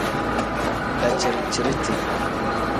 Daciri-ciriti.